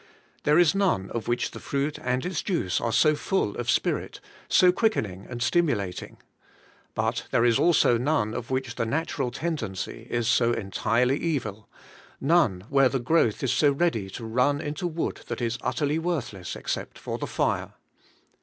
There is none of which the fruit and its juice are so full of spirit, so quickening and stimulating. But there is also none of which the natural tendency is so entirely evil, — none where the growth is so ready to run into wood that is utterly worthless except for the fire.